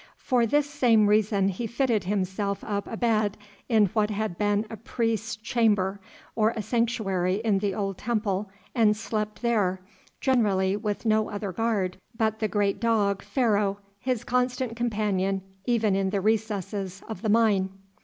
For this same reason he fitted himself up a bed in what had been a priest's chamber, or a sanctuary in the old temple, and slept there, generally with no other guard but the great dog, Pharaoh, his constant companion even in the recesses of the mine.